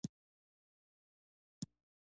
زده کړه نجونو ته د ریاضیاتو پوهه ورکوي.